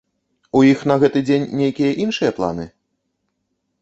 У іх на гэты дзень нейкія іншыя планы?